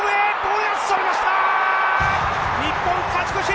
日本勝ち越し！